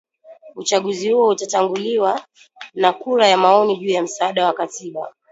Uchaguzi huo utatanguliwa na kura ya maoni juu ya msaada wa katiba